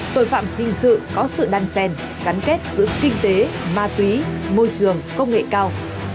tội phạm hình sự có sự đan sen gắn kết giữa kinh tế ma túy môi trường công nghệ cao